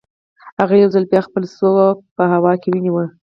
هغه یو ځل بیا خپله سوک په هوا کې ونیو